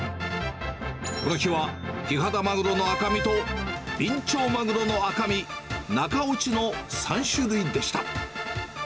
この日はキハダマグロの赤身とビンチョウマグロの赤身、中落ちの３種類でした。